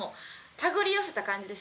手繰り寄せた感じですよね。